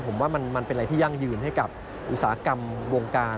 ผมว่ามันเป็นอะไรที่ยั่งยืนให้กับอุตสาหกรรมวงการ